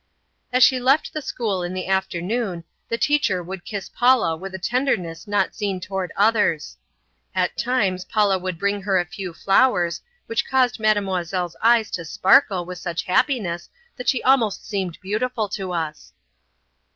As she left the school in the afternoon, the teacher would kiss Paula with a tenderness not seen toward others. At times Paula would bring her a few flowers, which caused Mademoiselle's eyes to sparkle with such happiness that she almost seemed beautiful to us.